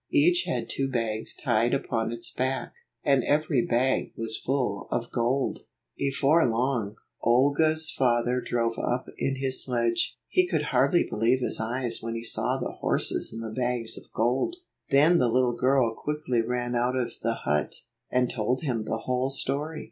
Each had two bags tied upon its back, and every bag was full of gold. 32 Before long, Olga's father drove up in his sledge. He could hardly believe his eyes when he saw the horses and the bags of gold. Then the little girl quickly ran out of the hut, and told him the whole story.